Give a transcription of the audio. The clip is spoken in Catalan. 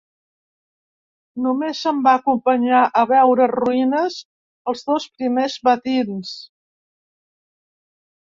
Només em va acompanyar a veure ruïnes els dos primers matins.